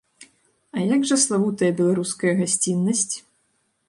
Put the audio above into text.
А як жа славутая беларуская гасціннасць?